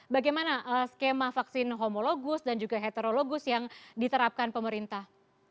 bagaimana skema vaksin homologus dan juga heterologus yang diterapkan pemerintah